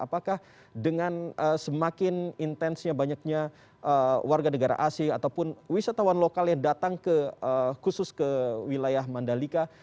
apakah dengan semakin intensnya banyaknya warga negara asing ataupun wisatawan lokal yang datang khusus ke wilayah mandalika